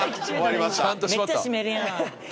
めっちゃ閉めるやん。